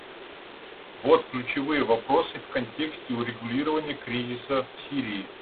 Вот ключевые вопросы в контексте урегулирования кризиса в Сирии.